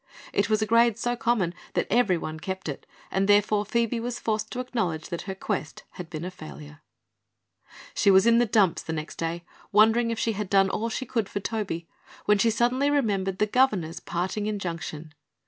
It was a grade so common that everyone kept it and therefore Phoebe was forced to acknowledge that her quest had been a failure. She was in the dumps next day, wondering if she had done all she could for Toby, when suddenly she remembered the governor's parting injunction.